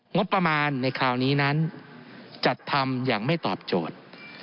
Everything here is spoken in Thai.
งบประมาณในคราวนี้นั้นจัดทำอย่างไม่ตอบโจทย์